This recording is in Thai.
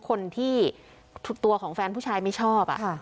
คนที่ของแฟนผู้ชายไม่ชอบอ่ะค่ะ